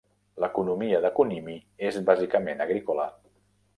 L'economia de Kunimi és bàsicament agrícola.